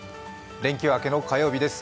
連休明けの火曜日です。